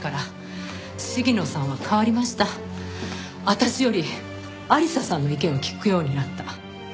私より亜里沙さんの意見を聞くようになった。